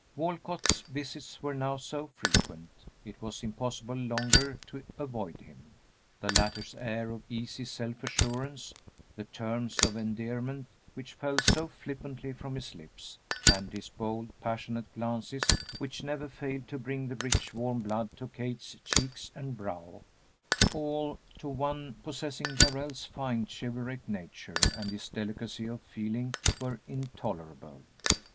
Walcott's visits were now so frequent it was impossible longer to avoid him. The latter's air of easy self assurance, the terms of endearment which fell so flippantly from his lips, and his bold, passionate glances which never failed to bring the rich, warm blood to Kate's cheeks and brow, all to one possessing Darrell's fine chivalric nature and his delicacy of feeling were intolerable.